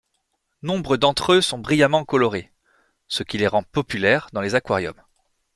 Nombre d'entre eux sont brillamment colorés, ce qui les rend populaires dans les aquariums.